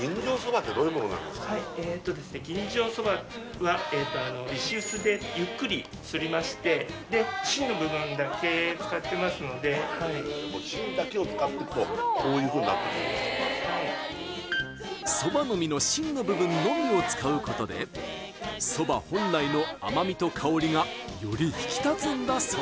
吟醸そばは石臼でゆっくりすりまして芯の部分だけ使ってますので芯だけを使っていくとこういうふうになっていくんですかそばの実の芯の部分のみを使うことでそば本来の甘みと香りがより引き立つんだそう